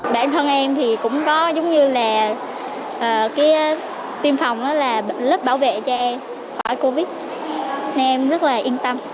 các em rất yên tâm